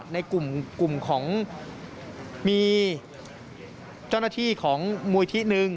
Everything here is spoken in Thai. ในกลุ่มของมีเจ้าหน้าที่ของมูลที่หนึ่ง